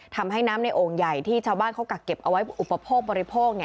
ทำให้น้ำในโอ่งใหญ่ที่ชาวบ้านเขากักเก็บเอาไว้อุปโภคบริโภค